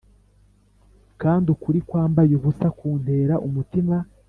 kandi ukuri kwambaye ubusa kuntera umutima